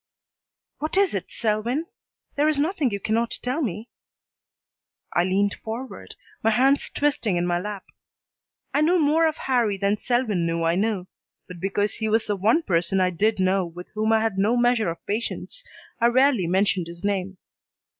"What is it, Selwyn? There is nothing you cannot tell me." I leaned forward, my hands twisting in my lap. I knew more of Harrie than Selwyn knew I knew, but because he was the one person I did know with whom I had no measure of patience, I rarely mentioned his name.